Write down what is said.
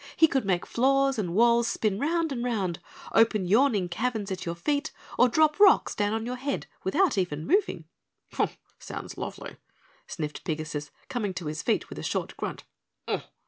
He could make floors and walls spin round and round, open yawning caverns at your feet or drop rocks down on your head without even moving." "Sounds lovely," sniffed Pigasus, coming to his feet with a short grunt.